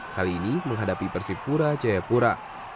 hal ini menghadapi persipura jayapura